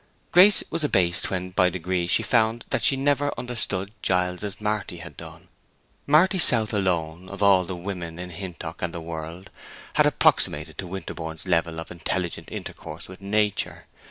Grace was abased when, by degrees, she found that she had never understood Giles as Marty had done. Marty South alone, of all the women in Hintock and the world, had approximated to Winterborne's level of intelligent intercourse with nature.